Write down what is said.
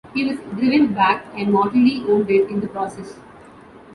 He was driven back, and mortally wounded in the process.